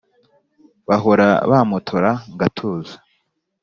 bahora bampotora ngatuza.